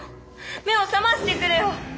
目を覚ましてくれよ！